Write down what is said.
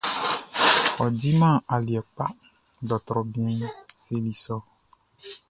Ɔ diman aliɛ kpa, dɔrtrɔ bianʼn seli sɔ.